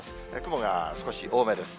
雲が少し多めです。